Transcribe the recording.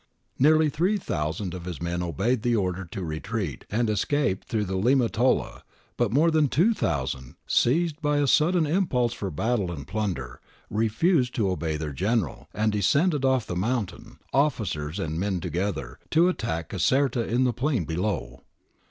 Nearly three thousand of his men obeyed the order to retreat and escaped through Limatola, but more than two thousand, seized by a sudden impulse for battle and plunder, refused to obey their General, and descended off the mountain, officers and men together, to attack Caserta in the plain below.